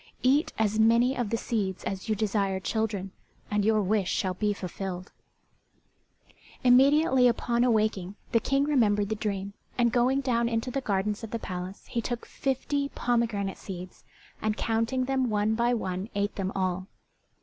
Eat as many of the seeds as you desire children, and your wish shall be fulfilled." [Illustration: Pirouzè, the fairest and most honourably born.] Immediately upon awaking the King remembered the dream, and going down into the gardens of the palace he took fifty pomegranate seeds, and counting them one by one ate them all.